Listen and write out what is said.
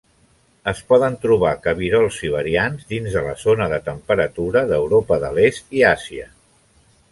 Es poden trobar cabirols siberians dins de la zona de temperatura d'Europa de l'Est i Àsia.